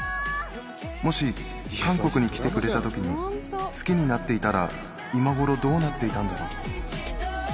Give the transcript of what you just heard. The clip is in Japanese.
もし韓国に来てくれたときに、好きになっていたら今頃どうなっていたんだろう。